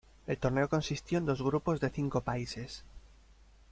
El torneo consistió en dos grupos de cinco países.